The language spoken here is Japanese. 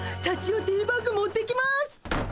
さちよティーバッグ持ってきます！